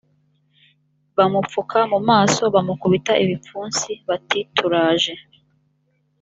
bamupfuka mu maso bamukubita ibipfunsi bati turaje